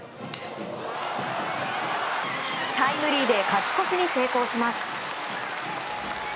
タイムリーで勝ち越しに成功します。